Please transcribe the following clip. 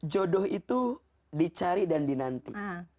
jodoh itu dicari dan dinanti